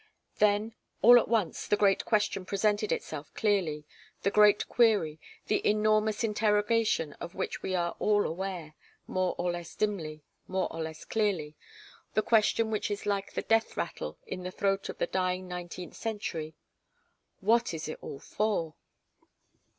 Then, all at once, the great question presented itself clearly, the great query, the enormous interrogation of which we are all aware, more or less dimly, more or less clearly the question which is like the death rattle in the throat of the dying nineteenth century, 'What is it all for?